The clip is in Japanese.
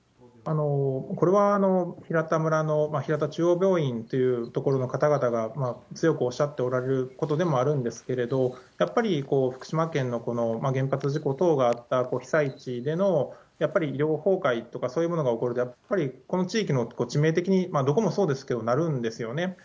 これは平田村の、平田中央病院という所の方々が強くおっしゃっておられることでもあるんですけれども、やっぱり福島県の原発事故等があった被災地でのやっぱり医療崩壊とかそういうものが起こると、やっぱりこの地域もやっぱり致命的に、どこもそうですけど、なるんですよね。